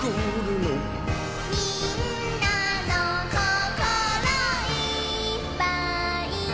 「みんなのココロ」「いっぱい」